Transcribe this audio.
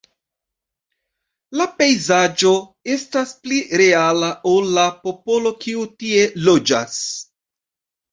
La pejzaĝo “estas pli reala ol la popolo kiu tie loĝas.